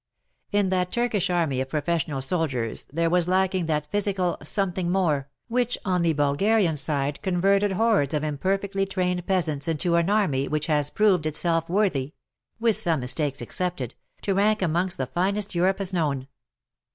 In that Turkish army of professional soldiers there was lacking that psychical ''something more " which on the Bulgarian side converted hordes of imperfectly trained peasants into an army which has proved itself worthy — with some mistakes excepted — to rank amongst the finest Europe has known.